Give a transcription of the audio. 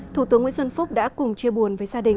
thủ tướng nguyễn xuân phúc đã cùng chia buồn với gia đình